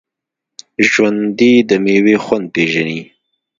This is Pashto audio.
ژوندي د میوې خوند پېژني